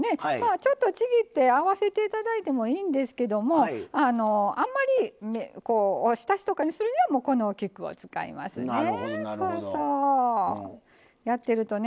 ちょっとちぎって合わせていただいてもいいんですけども、あんまりおひたしとかにするのはこの菊を使いますね。